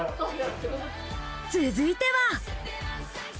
続いては。